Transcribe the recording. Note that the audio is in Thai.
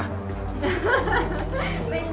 ไม่มี